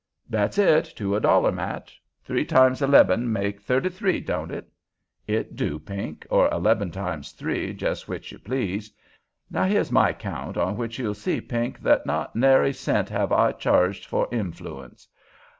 "That's it, to a dollar, Matt. Three times eleben make thirty three, don't it?" "It do, Pink, or eleben times three, jes' which you please. Now here's my count, on which you'll see, Pink, that not nary cent have I charged for infloonce.